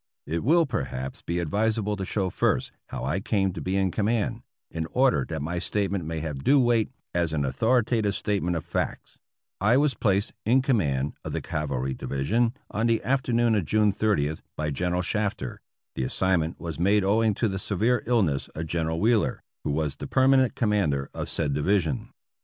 It will, perhaps, be advisable to show first how I came to be in command, in order that my statement may have due weight as an au thoritative statement of facts : I was placed in command of the Cavalry Division on the afternoon of June 30th by General Shafter ; the assignment was made owing to the severe illness of General Wheeler, who was the permanent commander of said Division.